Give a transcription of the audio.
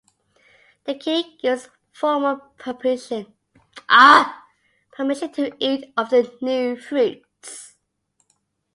The king gives formal permission to eat of the new fruits.